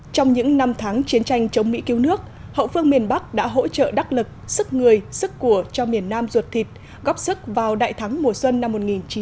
trong những năm tháng chiến tranh chống mỹ cứu nước hậu phương miền bắc đã hỗ trợ đắc lực sức người sức của cho miền nam ruột thịt góp sức vào đại thắng mùa xuân năm một nghìn chín trăm bảy mươi năm